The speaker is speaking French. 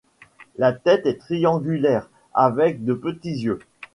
La tête est triangulaire, avec de petits yeux.